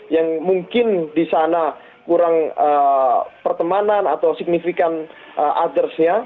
yang mungkin di sana kurang pertemanan atau signifikan othersnya